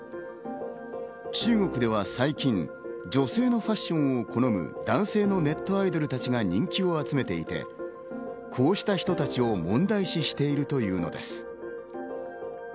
中国では最近、女性のファッションを好む男性のネットアイドルたちが人気を集めていて、こうした人たちを問題視しているというのです。